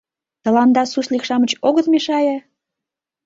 — Тыланда суслик-шамыч огыт мешае?